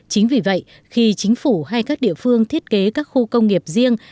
chính vì vậy khi chính phủ hay các địa phương thiết kế các khu công nghiệp riêng